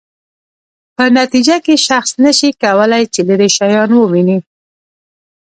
په نتیجه کې شخص نشي کولای چې لیرې شیان وویني.